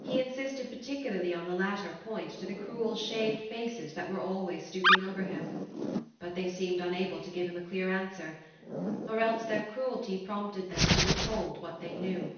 He insisted particularly on the latter point to the cruel shaved faces that were always stooping over him, but they seemed unable to give him a clear answer or else their cruelty prompted them to withhold what they knew.